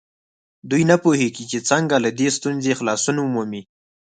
دوی نه پوهېږي چې څنګه له دې ستونزې خلاصون ومومي.